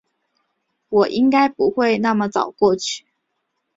我应该不会那么早过去